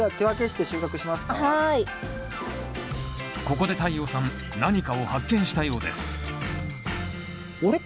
ここで太陽さん何かを発見したようですあれ？